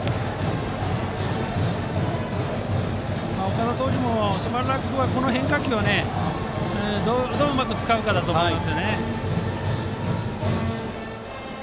岡田投手もしばらくはこの変化球をどううまく使うかだと思います。